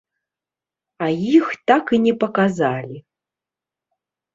А іх так і не паказалі.